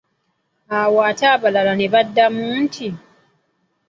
Olwo ate abalala ne baddamu nti